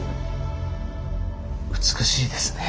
美しいですね。